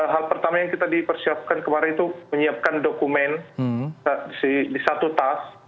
hal pertama yang kita dipersiapkan kemarin itu menyiapkan dokumen di satu tas